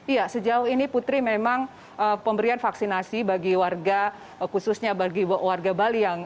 iya sejauh ini putri memang pemberian vaksinasi bagi warga khususnya bagi warga bali yang